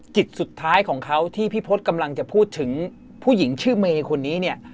จิตสุดท้ายของเขาที่พี่พศกำลังจะพูดถึงผู้หญิงชื่อเมย์คนนี้เนี่ย